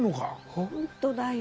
本当だよ。